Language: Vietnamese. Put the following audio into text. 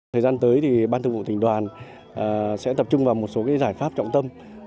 thời gian tới thì ban thường vụ tỉnh đoàn sẽ tập trung vào một số giải pháp trọng tâm